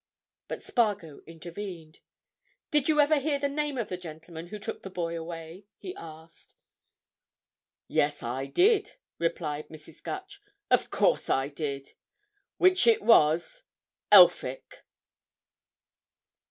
But Spargo intervened. "Did you ever hear the name of the gentleman who took the boy away?" he asked. "Yes, I did," replied Mrs. Gutch. "Of course I did. Which it was Elphick."